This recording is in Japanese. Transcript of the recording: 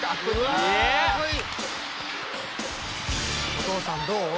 お父さんどう？